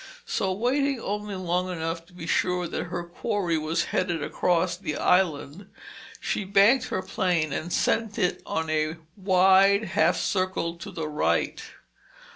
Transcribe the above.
So waiting only long enough to be sure that her quarry was headed across the Island, she banked her plane and sent it on a wide half circle to the right.